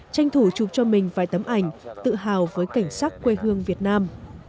tranh thủ chụp cho mình vài tấm ảnh tự hào với cảnh sắc quê hương việt nam